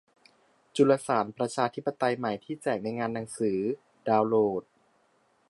จุลสาร ประชาธิปไตยใหม่ ที่แจกในงานหนังสือ ดาวน์โหลด